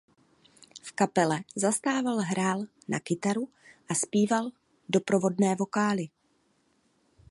V kapele zastával hrál na kytaru a zpíval doprovodné vokály.